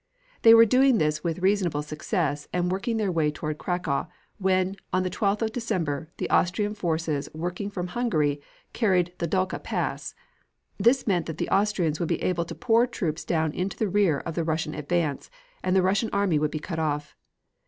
They were doing this with reasonable success and working their way toward Cracow, when, on the 12th of December, the Austrian forces working from Hungary carried the Dukla Pass. This meant that the Austrians would be able to pour troops down into the rear of the Russian advance, and the Russian army would be cut off.